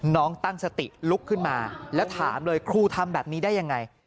ตั้งสติลุกขึ้นมาแล้วถามเลยครูทำแบบนี้ได้ยังไง